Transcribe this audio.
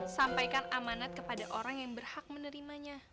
sampaikan amanat kepada orang yang berhak menerimanya